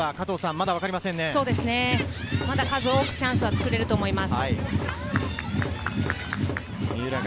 まだ数多くチャンスは作れると思います。